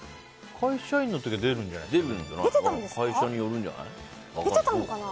会社員の時は出るんじゃないですかね。